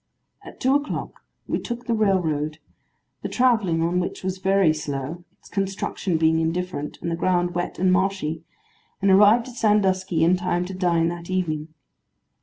At two o'clock we took the railroad; the travelling on which was very slow, its construction being indifferent, and the ground wet and marshy; and arrived at Sandusky in time to dine that evening.